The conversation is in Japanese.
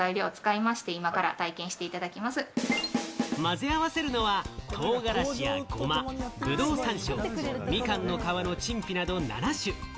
混ぜ合わせるのは、唐辛子やごま、ブドウ山椒、みかんの皮の陳皮など７種。